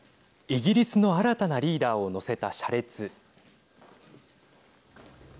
イギリスの新たなリーダーを乗せた車列。